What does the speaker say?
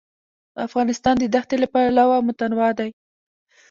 افغانستان د دښتې له پلوه متنوع دی.